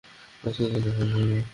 আজকের দিনটা শুভ।